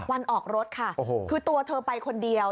วันออกรถค่ะคือตัวเธอไปคนเดียว